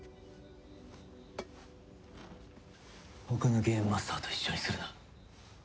他のゲームマスターと一緒にするな。